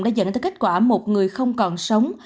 đã dẫn tới kết quả một người không còn sống